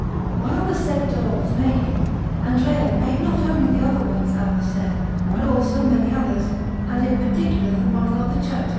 While the said door was making, Andrea made not only the other works aforesaid but also many others, and in particular the model of the Church of S.